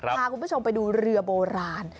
พาคุณผู้ชมไปดูเรือโบราณ